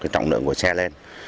trọng lượng của xe lên